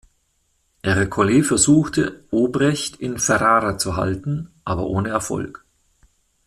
Ercole versuchte, Obrecht in Ferrara zu halten, aber ohne Erfolg.